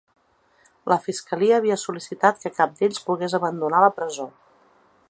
La fiscalia havia sol·licitat que cap d’ells pogués abandonar la presó.